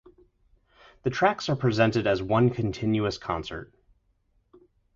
The tracks are presented as one continuous concert.